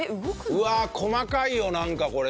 うわあ細かいよなんかこれ。